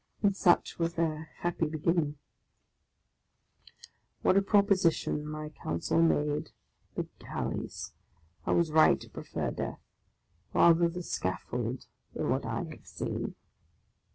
And such was their happy beginning! OF A CONDEMNED 61 What a proposition my counsel made ! The Galleys ! I was right to prefer death; rather the Scaffold than what I had seen